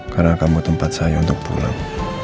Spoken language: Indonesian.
karena kamu tempat saya untuk pulang